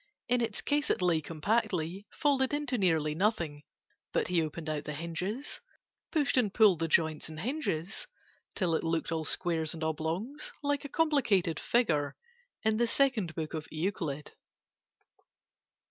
In its case it lay compactly, Folded into nearly nothing; But he opened out the hinges, Pushed and pulled the joints and hinges, Till it looked all squares and oblongs, Like a complicated figure In the Second Book of Euclid.